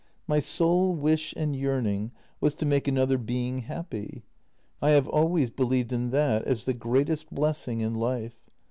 My sole wish and yearning was to make another being happy. I have always believed in that as the greatest blessing in life.